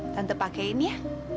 tante pakein ya